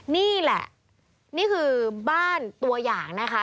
นี่แหละนี่คือบ้านตัวอย่างนะคะ